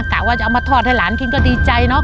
กะว่าจะเอามาทอดให้หลานกินก็ดีใจเนาะ